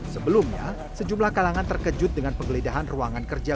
sebelumnya sejumlah kalangan terkejut dengan penggeledahan ruangan kerja